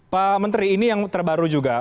pak menteri ini yang terbaru juga